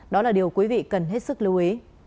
đó là điều quý vị cần hết sức lưu ý